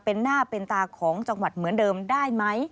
เป็นหน้าเป็นตาของจังหวัดเหมือนเดิมได้ไหม